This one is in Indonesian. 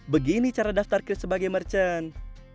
begini cara daftar ke sebagai merchant